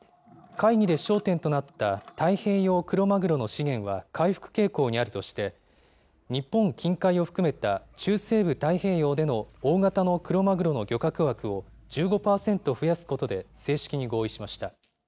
会議で焦点となった太平洋クロマグロの資源は回復傾向にあるとして、日本近海を含めた中西部太平洋での大型のクロマグロの漁獲枠を１５％増やすことで正式に合意しました。